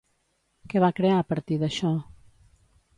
Què va crear a partir d'això?